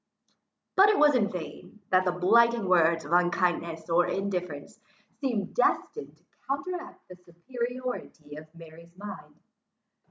But it was in vain, that the blighting winds of unkindness or indifference, seemed destined to counteract the superiority of Mary's mind.